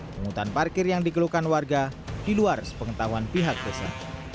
penghutang parkir yang dikeluhkan warga di luar sepengetahuan pihak desa